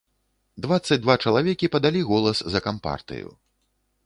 Дваццаць два чалавекі падалі голас за кампартыю.